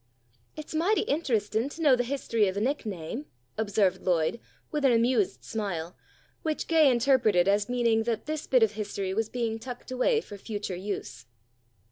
"It's mighty interesting to know the history of a nickname," observed Lloyd, with an amused smile, which Gay interpreted as meaning that this bit of history was being tucked away for future use.